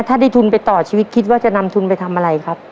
ถ้าได้ทุนไปต่อชีวิตคิดว่าจะนำทุนไปทำอะไรครับ